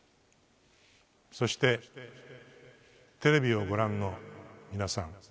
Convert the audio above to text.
そして、テレビをご覧の皆さん。